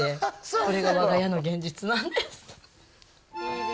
これがわが家の現実なんです。